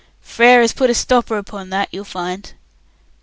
"Frere has put a stopper upon that, you'll find."